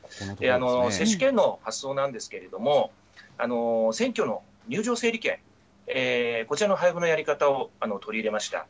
接種券の発送なんですけれども、選挙の入場整理券、こちらの配布のやり方を取り入れました。